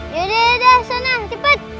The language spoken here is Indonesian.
ya ya ya sana cepat